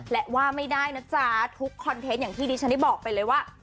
และว่าไม่ได้นะจ๊ะทุกคอนเทนต์อย่างที่ดิฉันได้บอกไปเลยว่า